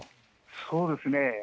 そうですね。